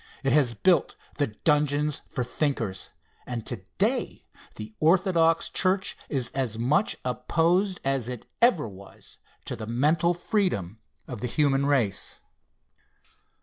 It has built the dungeon for Thinkers. And to day the orthodox church is as much opposed as it ever was to the mental freedom of the human race.